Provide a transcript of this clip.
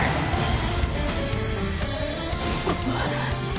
あっ。